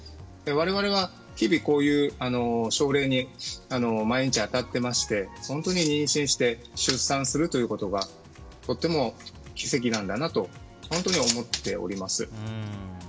我々は日々、こういう症例に毎日当たってまして妊娠して出産するということがとても奇跡なんだなと本当に思っております。